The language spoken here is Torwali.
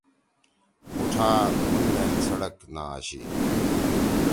مُوٹھا مُھن میل سڑک نہ آشی۔